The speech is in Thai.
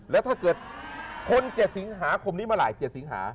แล้วถ้าเกิดคนเจ็ดสิงหาคมนี้มาหลายเจ็ดสิงหา